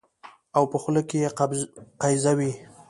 او په خوله کې يې قیضه وي